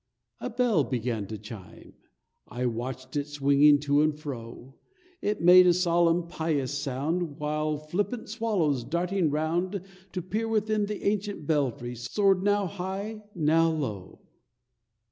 A bell began to chime, I watched it Swinging to and fro, It made a solemn, pious sound, While flippant swallows, darting round To peer within the ancient belfrey Soared now high, now low.